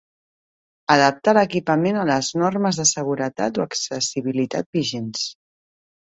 Adaptar l'equipament a les normes de seguretat o accessibilitat vigents.